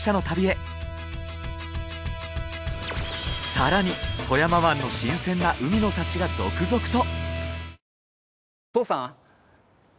更に富山湾の新鮮な海の幸が続々と。